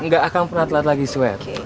enggak akan pernah telat lagi suet